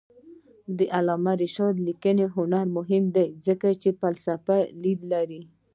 د علامه رشاد لیکنی هنر مهم دی ځکه چې فلسفي لید لري.